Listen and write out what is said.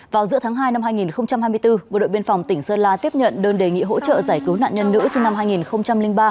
vào giữa tháng hai năm hai nghìn hai mươi bốn bộ đội biên phòng tỉnh sơn la tiếp nhận đơn đề nghị hỗ trợ giải cứu nạn nhân nữ sinh năm hai nghìn ba